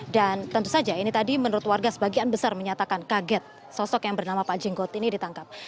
dan tentu saja ini tadi menurut warga sebagian besar menyatakan kaget sosok yang bernama pak jenggot ini ditangkap